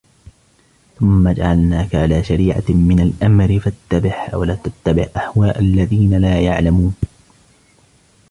ثُمَّ جَعَلْنَاكَ عَلَى شَرِيعَةٍ مِنَ الْأَمْرِ فَاتَّبِعْهَا وَلَا تَتَّبِعْ أَهْوَاءَ الَّذِينَ لَا يَعْلَمُونَ